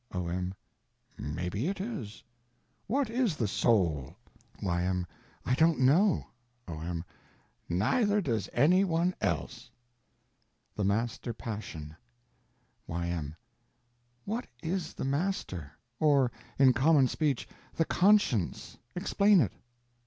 O.M. Maybe it is. What is the Soul? Y.M. I don't know. O.M. Neither does any one else. The Master Passion Y.M. What is the Master?—or, in common speech, the Conscience? Explain it.